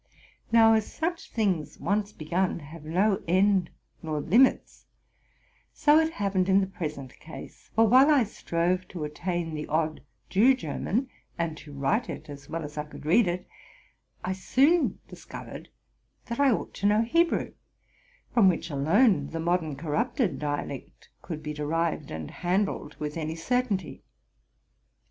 Now, as such things, onee begun, have no end nor limits, so it happened in the present case; for while I strove to attain the odd Jew German, and to write it as well as | could read it, I soon discovered that I ought to know Hebrew, from which alone the modern corrupted dialect could be derived, and handled with any certainty.